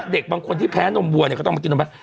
เด็กบางคนที่แพ้นมบัวเนี่ยก็ต้องมากินนมั้